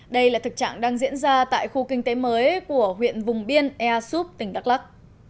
đây là thực trạng đang diễn ra tại khu kinh tế mới của huyện vùng biên ea súp tỉnh đắk lắc